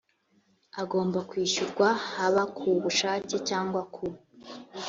agomba kwishyurwa haba ku bushake cyangwa ku